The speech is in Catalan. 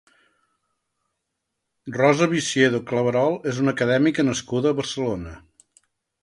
Rosa Visiedo Claverol és una acadèmica nascuda a Barcelona.